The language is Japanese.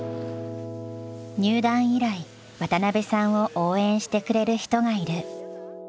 入団以来渡邉さんを応援してくれる人がいる。